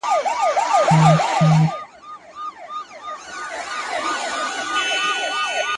هغه مړ له مــسته واره دى لوېـدلى،